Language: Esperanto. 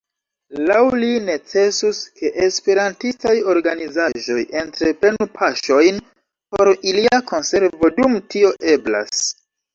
Laŭ li necesus, ke esperantistaj organizaĵoj entreprenu paŝojn por ilia konservo, dum tio eblas.